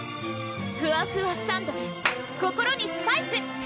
ふわふわサンドｄｅ心にスパイス！